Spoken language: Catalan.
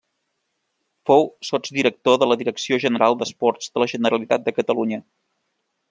Fou sotsdirector de la Direcció General d'Esports de la Generalitat de Catalunya.